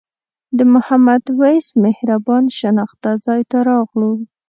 د محمد وېس مهربان شناخته ځای ته راغلو.